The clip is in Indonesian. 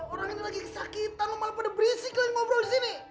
orang ini lagi sakitan lo malah pada berisik lagi ngobrol di sini